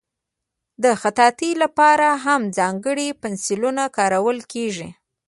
د خطاطۍ لپاره هم ځانګړي پنسلونه کارول کېږي.